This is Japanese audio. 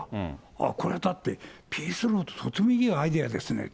あっ、これ、だってピースロードってとてもいいアイデアですね。